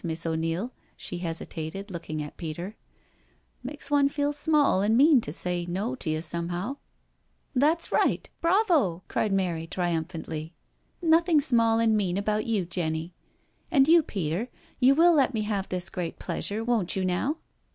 Miss O'Neil "— she hesitated, lodcing at Peter —" makes one feel small and mean to say ' No ' to you, somehow." " That's right— bravo I " cried Mary triumphantly. " Nothing small and mean about you, Jenny I And you, Peter, you will let me have this great pleasure, won't you now?"